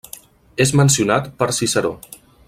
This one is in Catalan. És mencionat per Ciceró.